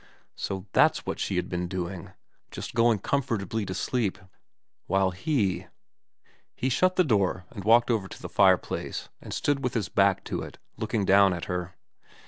So that's what she had been doing, just going comfortably to sleep, while he He shut the door and walked over to the fireplace and stood with his back to it looking down at her.